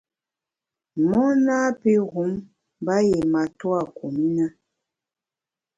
Mon napi wum mba yié matua kum i na.